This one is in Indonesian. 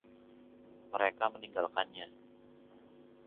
Mereka meninggalkannya.